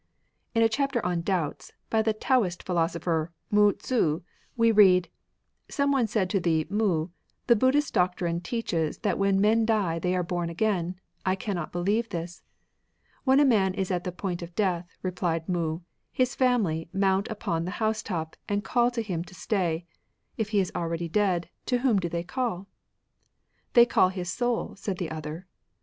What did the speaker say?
In a chapter on " Doubts," by the Taoist philosopher Mou Tzu, we read, " Some one said to Mou, The Buddhist doctrine teaches that when men die they are bom again. I cannot beUeve this. " When a man is at the point of death, repUed Mou, his family mount upon the house top and call to him to stay. If he is already dead, to whom do they caU ? ''They call his soul, said the other.